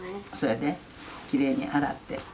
そうやできれいに洗って。